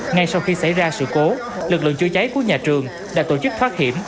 ngay sau khi xảy ra sự cố lực lượng chữa cháy của nhà trường đã tổ chức thoát hiểm